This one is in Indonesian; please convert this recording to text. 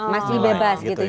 masih bebas gitu ya